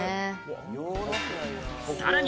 さらに